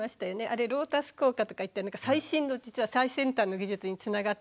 あれロータス効果とかいって最新の実は最先端の技術につながってる。